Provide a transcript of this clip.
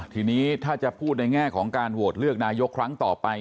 ทีนี้ถ้าจะพูดในแง่ของการโหวตเลือกนายกครั้งต่อไป